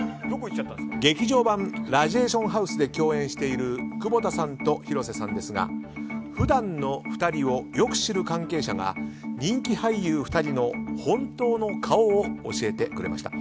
「劇場版ラジエーションハウス」で共演している窪田さんと広瀬さんですが普段の２人をよく知る関係者が人気俳優２人の本当の顔を教えてくれました。